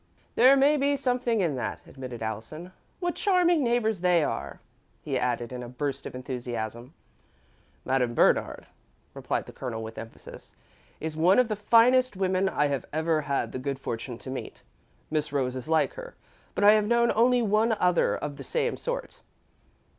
"There may be something in that," admitted Allison. "What charming neighbours they are!" he added, in a burst of enthusiasm. "Madame Bernard," replied the Colonel, with emphasis, "is one of the finest women I have ever had the good fortune to meet. Miss Rose is like her, but I have known only one other of the same sort."